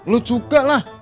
lu juga lah